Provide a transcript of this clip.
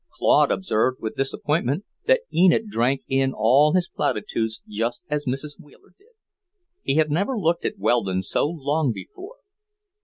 Claude observed with disappointment that Enid drank in all his platitudes just as Mrs. Wheeler did. He had never looked at Weldon so long before.